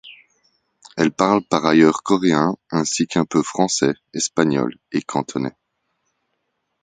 Elle parle par ailleurs coréen, ainsi qu'un peu français, espagnol et cantonais.